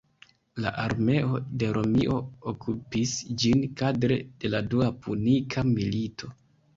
La armeo de Romio okupis ĝin kadre de la Dua Punika Milito.